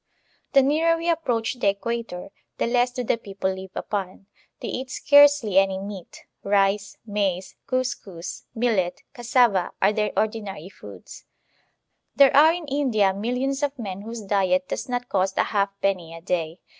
* The nearer we approach the Equator, the less do the people live upon. They eat scarcely any meat; rice. RELATIVITY OP FORMS OF GOVERNMENT 73 maize, cuzcus^ millet^ cassava, are their ordinary foods. There are in India millions of men whose diet does not cost a half penny a day.